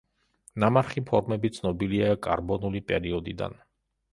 ნამარხი ფორმები ცნობილია კარბონული პერიოდიდან.